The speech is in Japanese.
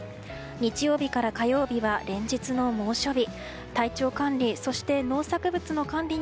日曜日から火曜日は連日の猛暑日。